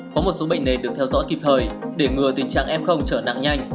có một số bệnh nền được theo dõi kịp thời để ngừa tình trạng f trở nặng nhanh